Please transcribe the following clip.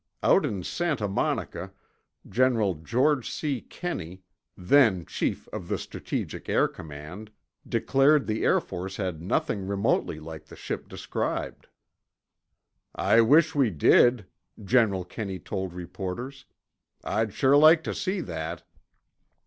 Out in Santa Monica, General George C. Kenney, then chief of the Strategic Air Command, declared the Air Force had nothing remotely like the ship described. "I wish we did," General Kenney told reporters. "I'd sure like to see that."